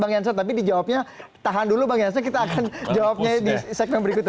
bang jansen tapi dijawabnya tahan dulu bang jansen kita akan jawabnya di segmen berikutnya